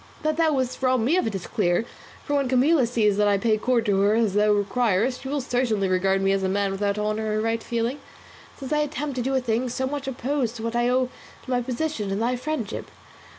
That thou wouldst rob me of it is clear, for when Camilla sees that I pay court to her as thou requirest, she will certainly regard me as a man without honour or right feeling, since I attempt and do a thing so much opposed to what I owe to my own position and thy friendship.